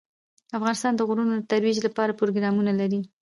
افغانستان د غرونه د ترویج لپاره پروګرامونه لري.